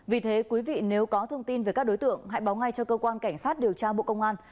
vì thế quý vị nếu có thông tin về các đối tượng hãy báo ngay cho cơ quan cảnh sát điều tra bộ công an